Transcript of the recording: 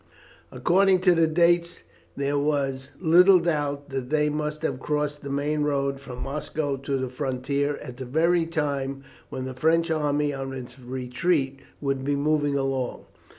"According to the dates there was little doubt that they must have crossed the main road from Moscow to the frontier at the very time when the French army on its retreat would be moving along.